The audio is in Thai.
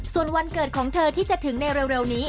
ส่วนวันเกิดของเธอที่จะถึงในเร็วนี้